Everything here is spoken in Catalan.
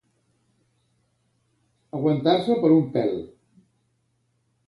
Aguantar-se per un pèl.